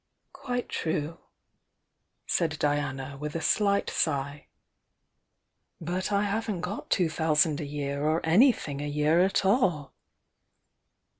"Quite true," said Diana, with a slight sigh. "But 84 THE YOUNG DIANA I haven't got two thousand a year, or anythiiuc a year at all!"